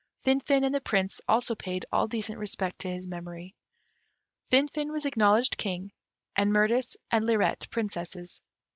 Finfin and the Prince also paid all decent respect to his memory. Finfin was acknowledged King, and Mirtis and Lirette Princesses.